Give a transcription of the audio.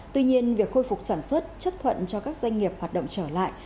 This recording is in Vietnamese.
tuy nhiên việc khôi phục sản xuất chấp thuận cho các doanh nghiệp hoạt động trở lại